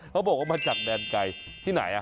เขาบอกว่ามาจากแดนไก่ที่ไหน